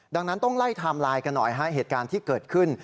ดังนั้นต้องไล่ไทม์ไลน์กันหน่อยฮะเหตุการณ์ที่เกิดขึ้น